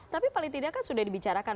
tapi paling tidak kan sudah dibicarakan